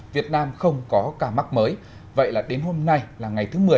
việt nam không có ca mắc mới vậy là đến hôm nay là ngày thứ một mươi